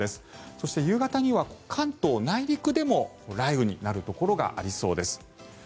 そして夕方には関東内陸でも雷雨になるところがありそうです。